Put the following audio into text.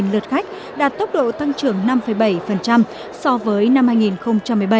lượt khách đạt tốc độ tăng trưởng năm bảy so với năm hai nghìn một mươi bảy